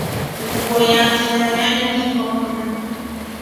Nguo yafa yajikoma.